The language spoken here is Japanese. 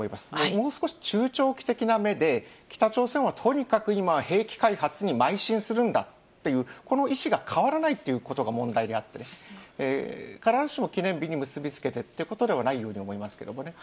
もう少し中長期的な目で、北朝鮮はとにかく今、兵器開発にまい進するんだっていう、この意思が変わらないっていうことが問題であって、必ずしも記念日に結び付けてっていうことではないように思います